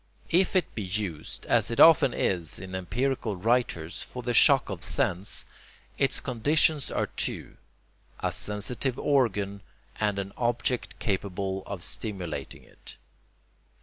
If it be used, as it often is in empirical writers, for the shock of sense, its conditions are two: a sensitive organ and an object capable of stimulating it.